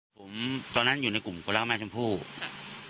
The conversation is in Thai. ผมตอนนั้นอยู่ในกลุ่มคนรักแม่ชมพู่ครับ